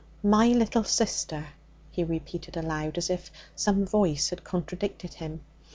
My little sister!' he repeated aloud, as if some voice had contradicted him.